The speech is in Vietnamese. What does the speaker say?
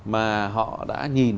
mà họ đã nhìn